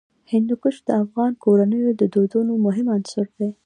هندوکش د افغان کورنیو د دودونو مهم عنصر دی.